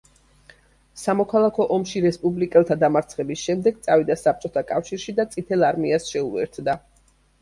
სამოქალაქო ომში რესპუბლიკელთა დამარცხების შემდეგ წავიდა საბჭოთა კავშირში და წითელ არმიას შეუერთდა.